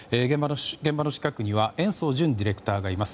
現場の近くには延増惇ディレクターがいます。